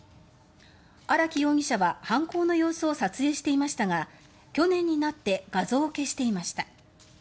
荒木容疑者は犯行の様子を撮影していましたが去年になって画像を消していました。